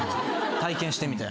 体験してみたい？